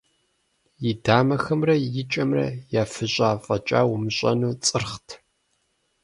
И дамэхэмрэ и кӀэмрэ, яфыщӀа фӀэкӀа умыщӀэну, цӀырхът.